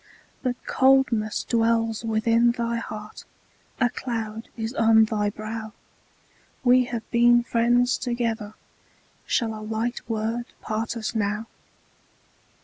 But coldness dwells within thy heart, A cloud is on thy brow; We have been friends together, Shall a light word part us now?